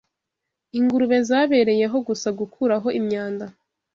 Ingurube zabereyeho gusa gukuraho imyanda